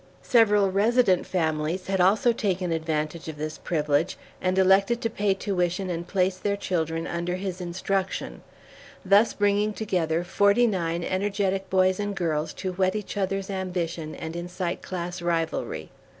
Several resident families had also taken advantage of this privilege, and elected to pay tuition and place their children under his instruction, thus bringing together forty nine energetic boys and girls to whet each other's ambition and incite class rivalry.